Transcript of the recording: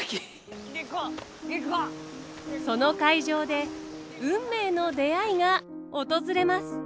その会場で運命の出会いが訪れます。